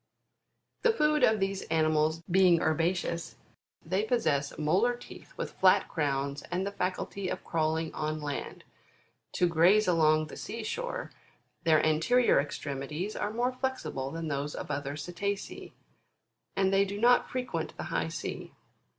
26. The food of these animals being herbaceous, they possess molar teeth with flat crowns, and the faculty of crawling on land, to graze along the sea shore : their anterior extremities are more flexible than those of other Cetacea, and they do not frequent the high sea.